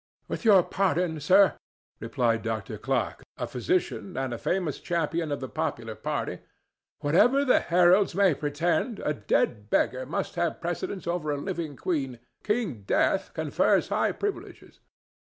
"With your pardon, sir," replied Dr. Clarke, a physician and a famous champion of the popular party, "whatever the heralds may pretend, a dead beggar must have precedence of a living queen. King Death confers high privileges."